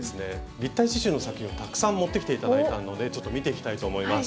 立体刺しゅうの作品をたくさん持ってきていただいたのでちょっと見ていきたいと思います。